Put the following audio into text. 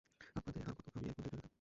আব্বে দে, আর কতো খাবি এখন যেতে দে তাকে।